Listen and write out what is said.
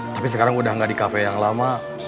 tapi sekarang udah gak di kafe yang lama